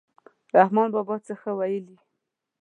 رحمان بابا څه ښه ویلي.